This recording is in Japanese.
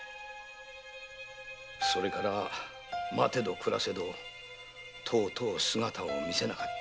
それから待てど暮らせどとうとう姿を見せなかった。